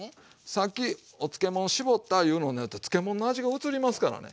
さっきお漬物絞ったいうのやったら漬物の味がうつりますからね。